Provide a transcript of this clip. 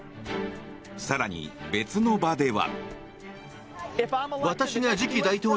更に、別の場では。